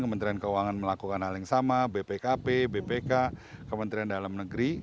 kementerian keuangan melakukan hal yang sama bpkp bpk kementerian dalam negeri